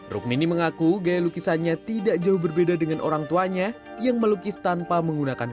rukmini mengaku gaya lukisannya tidak jauh berbeda dengan orang tuanya yang melukis tanpa menggunakan